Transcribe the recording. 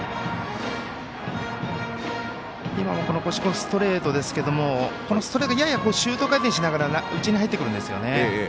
越井君、ストレートですけどこのストレートややシュート回転しながら内に入ってくるんですよね。